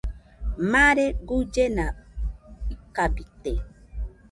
Mare guillena ikabite.